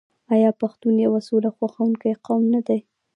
آیا پښتون یو سوله خوښوونکی قوم نه دی؟